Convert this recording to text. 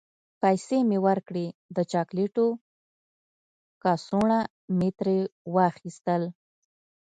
پیسې مې ورکړې، د چاکلیټو کڅوڼه مې ترې واخیستل.